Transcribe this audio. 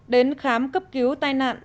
đến khám cấp cứu tai nạn